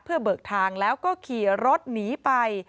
เพื่อเบิกทางแล้วก็ขี่รถหนีไป